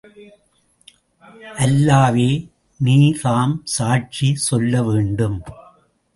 அல்லாவே நீர்தாம் சாட்சி சொல்ல வேண்டும்.